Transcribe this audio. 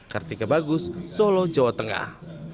kartika bagus solo jawa tengah